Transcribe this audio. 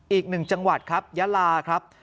อีกหนึ่งจังหวัดครับยาลาครับ